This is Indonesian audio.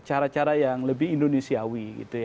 cara cara yang lebih indonesiawi